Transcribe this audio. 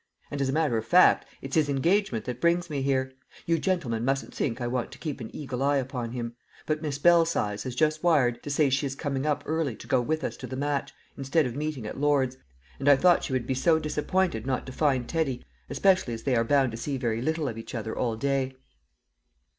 "And as a matter of fact it's his engagement that brings me here; you gentlemen mustn't think I want to keep an eagle eye upon him; but Miss Belsize has just wired to say she is coming up early to go with us to the match, instead of meeting at Lord's, and I thought she would be so disappointed not to find Teddy, especially as they are bound to see very little of each other all day."